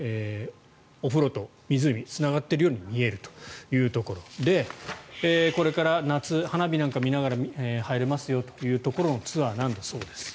お風呂と湖がつながっているように見えるというところでこれから夏、花火なんか見ながら入れますよというツアーなんだそうです。